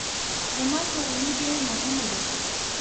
زما کورنۍ ډیره مهمه ده